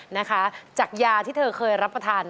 นะคะจากยาที่เธอเคยรับประทาน